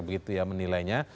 jadi agar lebih fair menilainya